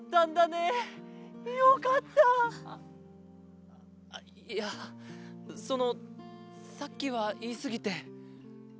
あっいやそのさっきはいいすぎて。